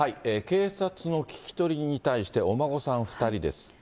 警察の聞き取りに対して、お孫さん２人です。